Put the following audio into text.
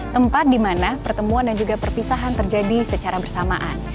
tempat di mana pertemuan dan juga perpisahan terjadi secara bersamaan